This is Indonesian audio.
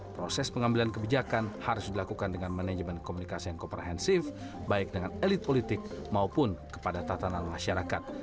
proses pengambilan kebijakan harus dilakukan dengan manajemen komunikasi yang komprehensif baik dengan elit politik maupun kepada tatanan masyarakat